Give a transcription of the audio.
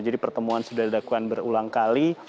jadi pertemuan sudah dilakukan berulang kali